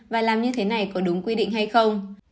và làm như thế này có đúng quy định hay không